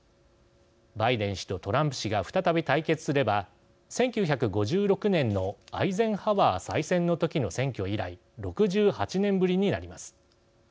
バイデン氏とトランプ氏が再び対決すれば、１９５６年のアイゼンハワー再選の時の選挙以来、６８年ぶりになります。